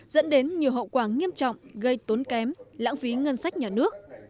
dẫn đến nhiều hậu quả nghiêm trọng gây tốn kém lãng phí ngân sách nhà nước